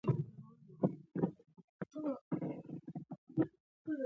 د افغانستان طبیعت له هرات څخه جوړ شوی دی.